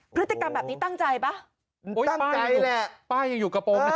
พฤติกรรมแบบนี้ตั้งใจป่ะตั้งใจแหละป้ายังอยู่กระโปรงนะ